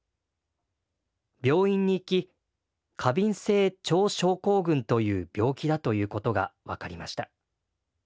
病院に行き過敏性腸症候群という病気だということが分かりました。